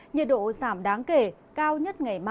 nhiệt độ giảm đáng kể cao nhất ngày mai